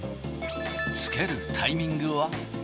着けるタイミングは。